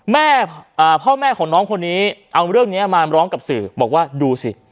พ่อแม่ของน้องคนนี้เอาเรื่องนี้มาร้องกับสื่อบอกว่าดูสิ